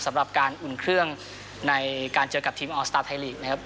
สำหรับการอุ่นเครื่องในการเจอกับทีมออสตาร์ไทยลีกนะครับ